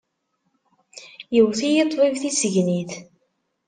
Iwet-iyi ṭṭbib tissegnit.